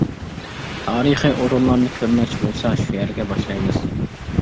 تارىخى ئورۇنلارنى كۆرمەكچى بولسا شۇ يەرگە باشلايمىز.